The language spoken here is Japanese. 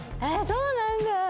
えっそうなんだ！